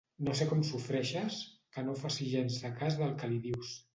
No sé com sofreixes que no faci gens de cas del que li dius.